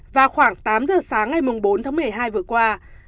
vào khoảng tám giờ sáng ngày bốn tháng một mươi hai vừa qua